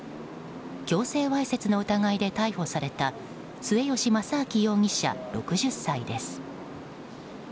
強制わいせつの疑いで逮捕された末吉正明容疑者、６０歳です。